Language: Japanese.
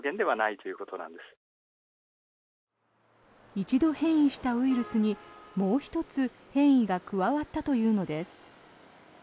一度変異したウイルスにもう１つ変異が加わったというのです。